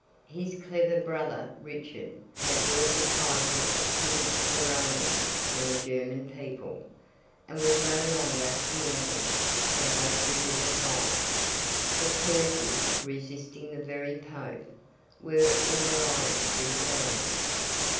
His clever brother, Richard, had bought the title of King of the Romans from the German people, and was no longer near him, to help him with advice. The clergy, resisting the very Pope, were in alliance with the Barons.